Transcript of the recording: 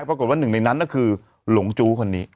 แต่ว่าหนึ่งในนั้นก็คือหลวงจู๊คนนี้